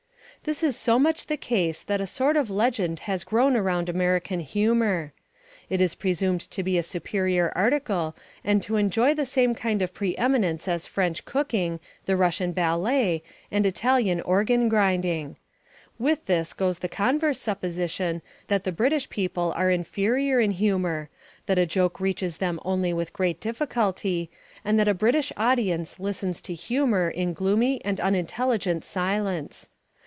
This is so much the case that a sort of legend has grown around American humour. It is presumed to be a superior article and to enjoy the same kind of pre eminence as French cooking, the Russian ballet, and Italian organ grinding. With this goes the converse supposition that the British people are inferior in humour, that a joke reaches them only with great difficulty, and that a British audience listens to humour in gloomy and unintelligent silence.